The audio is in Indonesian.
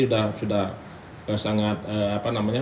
sudah sangat apa namanya